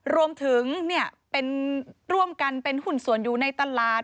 รวมถึงร่วมกันเป็นหุ้นส่วนอยู่ในตลาด